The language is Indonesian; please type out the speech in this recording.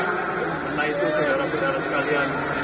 karena itu segera benar sekalian